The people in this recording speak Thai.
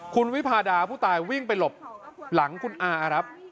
คุณวิพาดาผู้ตายวิ่งไปหลบหลังคุณอาครับ